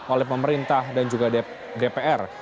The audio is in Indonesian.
oleh pemerintah dan juga dpr